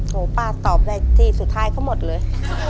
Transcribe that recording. ป้าตอบได้ที่สุดท้ายเขาหมดเลย